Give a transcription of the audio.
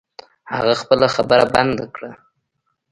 هغه خپله خبره بند کړه.